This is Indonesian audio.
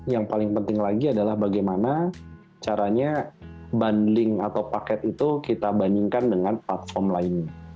yang paling penting lagi adalah bagaimana caranya bundling atau paket itu kita bandingkan dengan platform lainnya